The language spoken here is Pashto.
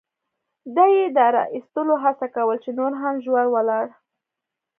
ده یې د را اېستلو هڅه کول، چې نور هم ژور ولاړ.